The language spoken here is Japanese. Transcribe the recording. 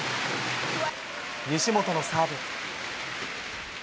西本のサーブ。